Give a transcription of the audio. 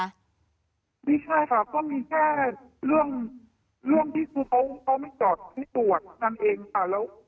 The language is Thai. ไม่ใช่ค่ะก็มีแค่เรื่องที่คือเขาไม่จอดที่ตรวจนั่นเองค่ะ